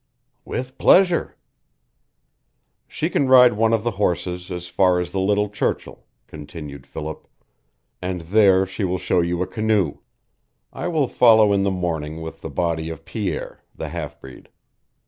"With pleasure." "She can ride one of the horses as far as the Little Churchill," continued Philip. "And there she will show you a canoe. I will follow in the morning with the body of Pierre, the half breed."